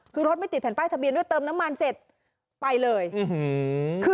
คือรถไม่ติดแผ่นป้ายทะเบียนด้วยเติมน้ำมันเสร็จไปเลยอื้อหือคือ